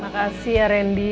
makasih ya randy